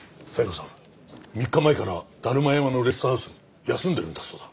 ３日前から達磨山のレストハウス休んでるんだそうだ。